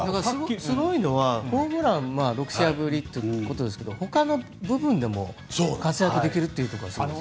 すごいのはホームランが６試合ぶりということですがほかの部分でも活躍できるというのがすごいです。